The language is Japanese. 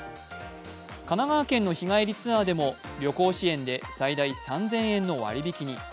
神奈川県の日帰りツアーでも旅行支援で最大３０００円の割引きに。